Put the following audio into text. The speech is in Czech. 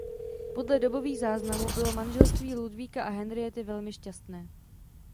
Podle dobových záznamů bylo manželství Ludvíka a Henrietty velmi šťastné.